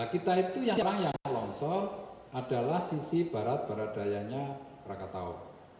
kita itu yang terang yang longsor adalah sisi barat barat dayanya prakatau